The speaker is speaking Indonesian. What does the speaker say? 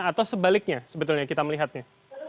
atau sebaliknya sebetulnya kita melihatnya